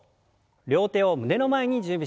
両手を胸の前に準備します。